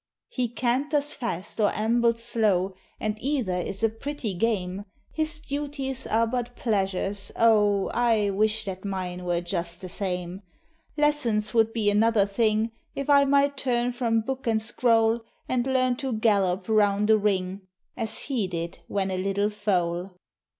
He canters fast or ambles slow, And either is a pretty game; His duties are but pleasures oh, I wish that mine were just the same! Lessons would be another thing If I might turn from book and scroll, And learn to gallop round a ring, As he did when a little foal.